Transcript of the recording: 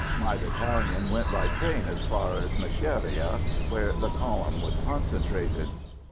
My battalion went by train as far as Mecheria, where the column was concentrated.